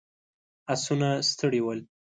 آسونه ستړي ول.